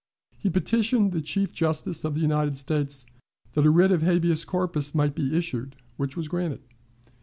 He petitioned the Chief Justice of the United States that a writ of habeas corpus might be issued, which was granted.